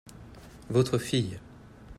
Votre fille.